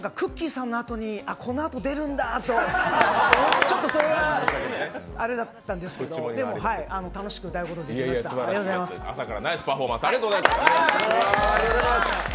さんのあとに、このあと出るんだと、ちょっとそれはあれだったんですけどでも、楽しく歌うことができました朝からナイスパフォーマンス、ありがとうございました。